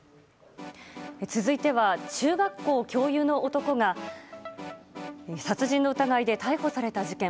続いては、中学校教諭の男が殺人の疑いで逮捕された事件。